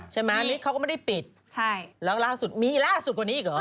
ใช่ไหมฤทธิ์เขาก็ไม่ได้ปิดใช่แล้วล่าสุดมีล่าสุดกว่านี้อีกเหรอ